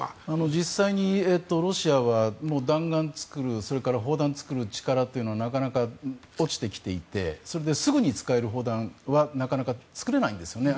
実際にロシアは弾丸を作るそれから砲弾を作る力はなかなか落ちてきていてそれで、すぐに使える砲弾はなかなか作れないんですよね。